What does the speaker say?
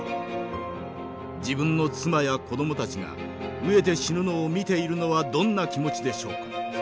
自分の妻や子どもたちが飢えて死ぬのを見ているのはどんな気持ちでしょうか。